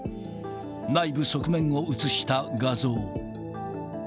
内部側面を写した画像。